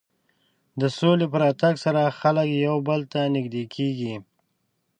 د سولې په راتګ سره خلک یو بل ته نژدې کېږي.